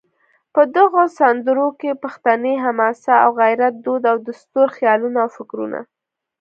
په دغو سندرو کې پښتني حماسه او غیرت، دود او دستور، خیالونه او فکرونه